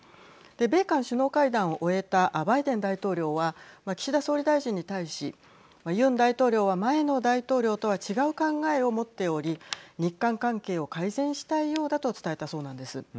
米韓首脳会談を終えたバイデン大統領は岸田総理大臣に対しユン大統領は、前の大統領とは違う考えを持っており日韓関係を改善したいようだと伝えたそうなんです。